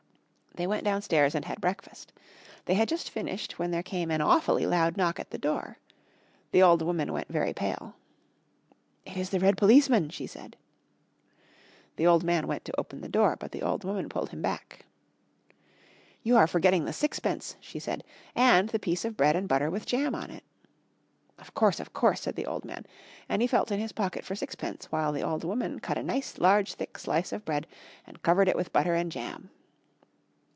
They went downstairs and had breakfast. They had just finished when there came an awfully loud knock at the door. The old woman went very pale. "It is the red policeman," she said. The old man went to open the door. But the old woman pulled him back. "You are forgetting the sixpence," she said, "and the piece of bread and butter with jam on it." "Of course, of course," said the old man, and he felt in his pocket for sixpence while the old woman cut a nice large thick slice of bread and covered it with butter and jam.